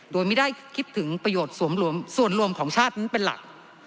โดยไม่ได้คิดถึงประโยชน์ส่วนรวมของชาตินั้นเป็นหลัก